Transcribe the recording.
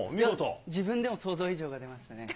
自分でも想像以上が出ましたね。